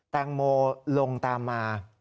แตงโมลงตามมา